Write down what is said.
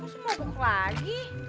kamu semua buk lagi